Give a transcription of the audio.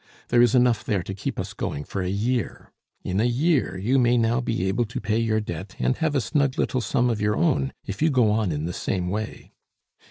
There is enough there to keep us going for a year. In a year you may now be able to pay your debt and have a snug little sum of your own, if you go on in the same way."